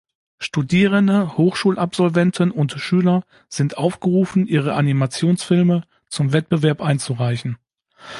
Studierende, Hochschulabsolventen und Schüler sind aufgerufen, ihre Animationsfilme zum Wettbewerb einzureichen.